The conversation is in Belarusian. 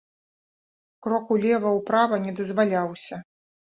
Крок улева-ўправа не дазваляўся.